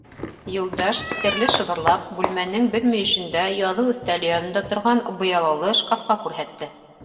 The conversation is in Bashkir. Юлдаш, серле шыбырлап, бүлмәнең бер мөйөшөндә яҙыу өҫтәле янында торған быялалы шкафҡа күрһәтте.